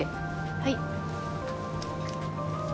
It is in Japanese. はい。